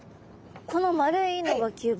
この丸いのが吸盤？